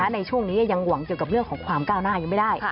ในช่วงนี้ยังหวังเกี่ยวกับเรื่องของความก้าวหน้ายังไม่ได้